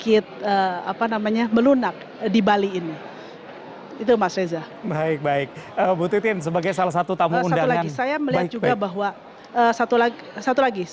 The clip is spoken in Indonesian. awal panas itu bisa sedikit eduardi itu mas reza baik bu titin sebagai salah satu tampil lagi